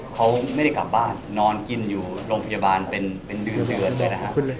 เขาไม่ได้กลับบ้านนอนกินอยู่โรงพยาบาลเป็นเดือนด้วยนะครับ